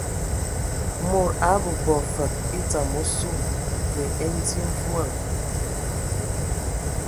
Mod a bobo fəg e dzam osu, və e dzi mvua.